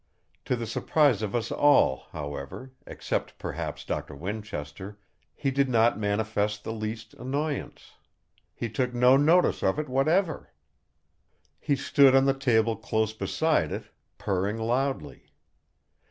To the surprise of us all, however, except perhaps Doctor Winchester, he did not manifest the least annoyance; he took no notice of it whatever. He stood on the table close beside it, purring loudly.